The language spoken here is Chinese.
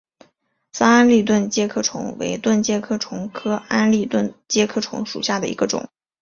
桑安蛎盾介壳虫为盾介壳虫科安蛎盾介壳虫属下的一个种。